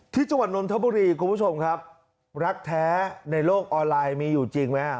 จังหวัดนนทบุรีคุณผู้ชมครับรักแท้ในโลกออนไลน์มีอยู่จริงไหม